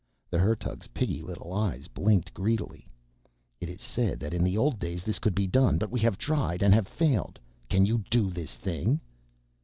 The Hertug's piggy little eyes blinked greedily. "It is said that in the old days this could be done, but we have tried and have failed. Can you do this thing?"